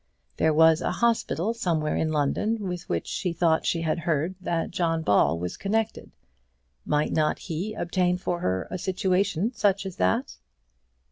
There was a hospital somewhere in London with which she thought she had heard that John Ball was connected. Might not he obtain for her a situation such as that?